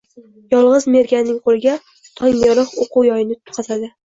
Yolg‘iz Merganning qo‘liga Tongyorug‘ o‘qu yoyni tutqazadi.